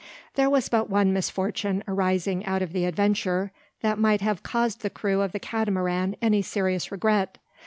There was but one misfortune arising out of the adventure that might have caused the crew of the Catamaran any serious regret.